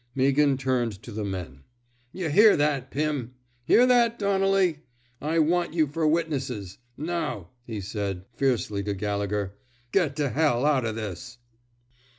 " Meaghan turned to the men. Y' hear that, Pimf Hear that, Donnelly! I want you fer witnesses. ... Now," he said, fiercely, to Gallegher, get to hell out of this."